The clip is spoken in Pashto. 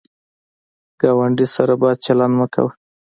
ګاونډي سره بد چلند مه کوه